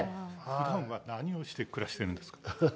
ふだん何をして暮らしてるんですか？